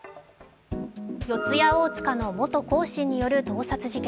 四谷大塚の元講師による盗撮事件。